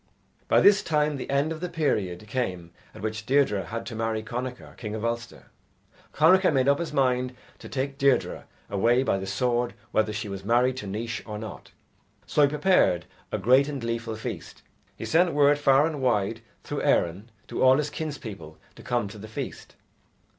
By this time the end of the period came at which Deirdre had to marry Connachar, king of Ulster. Connachar made up his mind to take Deirdre away by the sword whether she was married to Naois or not. So he prepared a great and gleeful feast. He sent word far and wide through Erin to all his kinspeople to come to the feast.